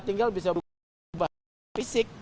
tinggal bisa fisik